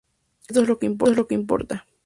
Eso es lo que importa.